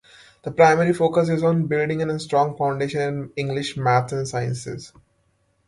The primary focus is on building a strong foundation in English, math, and science.